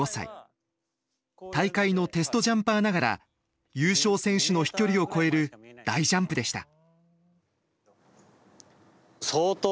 大会のテストジャンパーながら優勝選手の飛距離を超える大ジャンプでした。